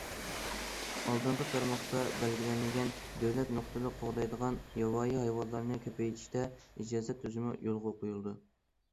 ئالدىنقى تارماقتا بەلگىلەنمىگەن، دۆلەت نۇقتىلىق قوغدايدىغان ياۋايى ھايۋانلارنى كۆپەيتىشتە، ئىجازەت تۈزۈمى يولغا قويۇلىدۇ.